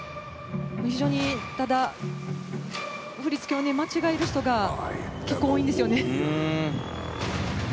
非常にただ振り付けを間違える人が結構多いんですよね。